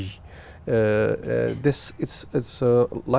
nó như một cửa